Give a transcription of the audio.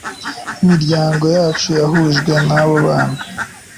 Imiryango yacu yahujwe nabo bana